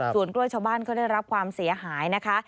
ส่วนกล้วยชาวบ้านก็ได้รับความเสียหายนะคะ